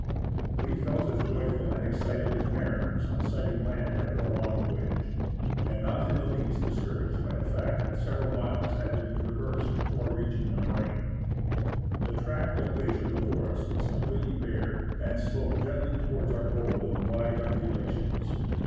We felt as joyful and excited as mariners on sighting land after a long voyage, and not in the least discouraged by the fact that several miles had to be traversed before reaching the moraine. The tract of glacier before us was completely bare, and sloped gently towards our goal in wide undulations.